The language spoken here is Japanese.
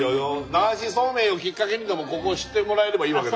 流しそうめんをきっかけにでもここを知ってもらえればいいわけだから。